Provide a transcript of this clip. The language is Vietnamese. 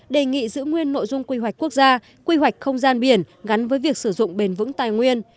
đề nghị giữ nguyên nội dung quy hoạch quốc gia quy hoạch không gian biển gắn với việc sử dụng bền vững tài nguyên